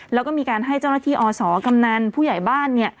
แล้วก็มีการให้เจ้าหน้าที่อศกำนันผู้ใหญ่บ้าน